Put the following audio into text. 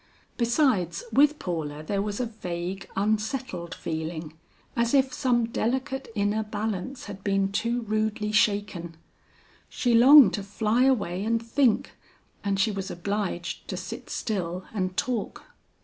Besides, with Paula there was a vague unsettled feeling, as if some delicate inner balance had been too rudely shaken. She longed to fly away and think, and she was obliged to sit still and talk.